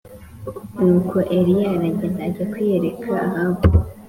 Nuko Eliya aragenda ajya kwiyereka Ahabu